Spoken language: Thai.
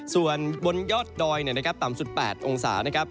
ส่วนบนยอดดอยต่ำสุด๘องศานะครับ